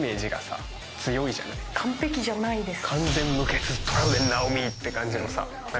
完璧じゃないです。